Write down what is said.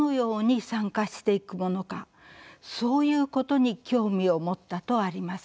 そういうことに興味を持った」とあります。